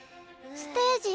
ステージ。